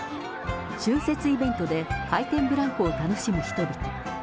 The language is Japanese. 春節イベントで回転ブランコを楽しむ人々。